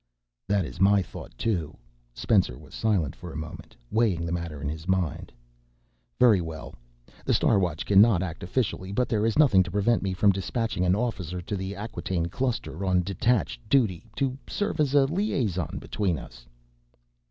"That is my thought, too." Spencer was silent for a moment, weighing the matter in his mind. "Very well. The Star Watch cannot act officially, but there is nothing to prevent me from dispatching an officer to the Acquataine Cluster, on detached duty, to serve as liaison between us."